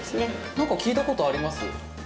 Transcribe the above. なんか聞いたことあります。